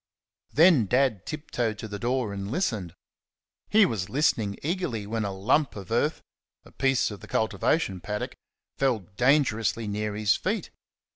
Then Dad tiptoed to the door and listened. He was listening eagerly when a lump of earth a piece of the cultivation paddock fell dangerously near his feet.